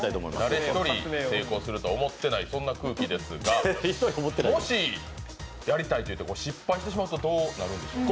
誰１人成功するとは思ってない、そんな空気ですが、もしやりたいと言って失敗するとどうなるんでしょうか。